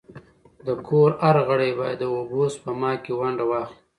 د کور هر غړی باید د اوبو سپما کي ونډه واخلي.